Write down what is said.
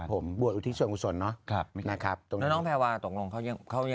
ลาสตึกไหมฮะไปน่าจะไม่กี่วันฮะ